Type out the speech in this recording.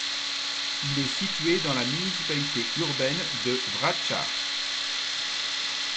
Il est situé pdans la municipalité urbaine de Vračar.